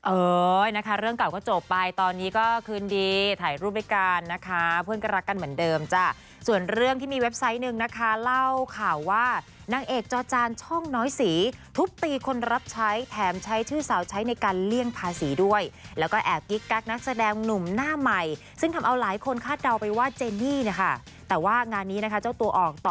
เอ้ยนะคะเรื่องเก่าก็จบไปตอนนี้ก็คืนดีถ่ายรูปด้วยกันนะคะเพื่อนก็รักกันเหมือนเดิมจ้ะส่วนเรื่องที่มีเว็บไซต์หนึ่งนะคะเล่าข่าวว่านางเอกจอจานช่องน้อยสีทุบตีคนรับใช้แถมใช้ชื่อสาวใช้ในการเลี่ยงภาษีด้วยแล้วก็แอบกิ๊กกักนักแสดงหนุ่มหน้าใหม่ซึ่งทำเอาหลายคนคาดเดาไปว่าเจนี่นะคะแต่ว่างานนี้นะคะเจ้าตัวออกต